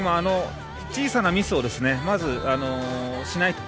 小さなミスをまずしないと。